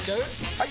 ・はい！